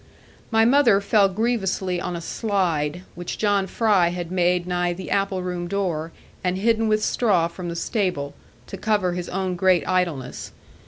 My mother fell grievously on a slide, which John Fry had made nigh the apple room door, and hidden with straw from the stable, to cover his own great idleness.